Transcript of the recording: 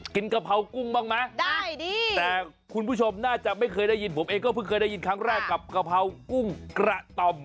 กะเพรากุ้งบ้างไหมได้ดีแต่คุณผู้ชมน่าจะไม่เคยได้ยินผมเองก็เพิ่งเคยได้ยินครั้งแรกกับกะเพรากุ้งกระต่อม